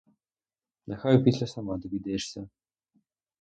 Нехай опісля сама довідаєшся.